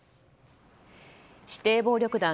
指定暴力団